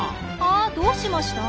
あどうしました？